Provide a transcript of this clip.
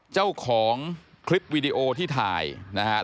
เจ้าของคลิปวีดีโอที่ถ่ายนะครับ